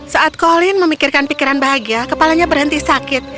saat colin memikirkan pikiran bahagia kepalanya berhenti sakit